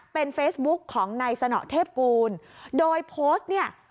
เป็นเฟซบุ๊กของนายสนเทพกูลโดยโพสต์เนี่ย